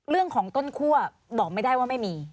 เรื่องของต้นคั่วบอกไม่ได้ว่าไม่มี